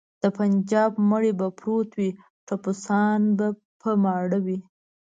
د بنجاب مړی به پروت وي ټپوسان به په ماړه وي.